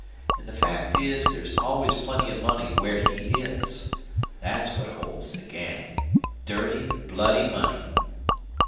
An' the fact is there's always plenty of money where he is. Thet's what holds the gang. Dirty, bloody money!"